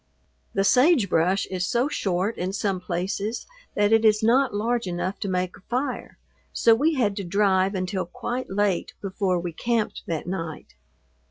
The sagebrush is so short in some places that it is not large enough to make a fire, so we had to drive until quite late before we camped that night.